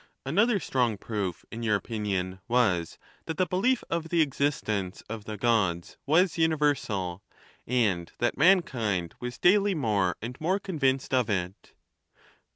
Another strong proof, in your opinion, was tliat the belief of the existence of the Gods was universal, and that mankind was daily more and more convinced of it.